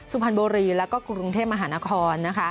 สุพรรณบุรีแล้วก็กรุงเทพมหานครนะคะ